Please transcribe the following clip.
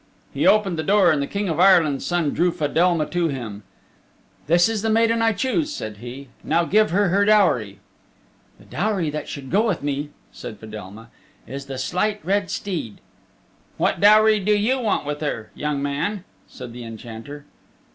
He opened the door and the King of Ireland's Son drew Fedelma to him. "This is the maiden I choose," said he, "and now give her her dowry." "The dowry that should go with me," said Fedelma, "is the Slight Red Steed." "What dowry do you want with her, young man?" said the Enchanter.